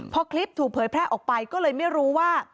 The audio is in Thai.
พอคลิปถูกเผยแพร่ออกไปก็เลยไม่รู้ว่า